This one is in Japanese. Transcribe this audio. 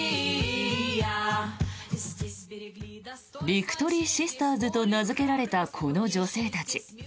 ビクトリーシスターズと名付けられたこの女性たち。